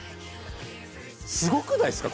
すごくないっすか？